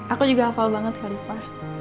aku juga hafal banget nggak lupa